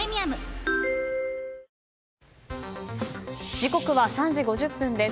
時刻は３時５０分です。